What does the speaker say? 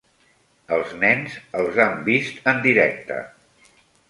Els nens els han vist en directe.